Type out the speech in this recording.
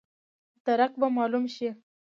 درک به مالوم شي.